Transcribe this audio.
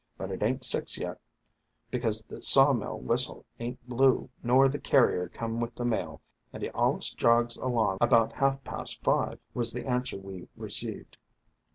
But it ain't six yet, because the sawmill whistle ain't blew nor the carrier come with the mail, and he allus jogs along about half past five," was the answer we received.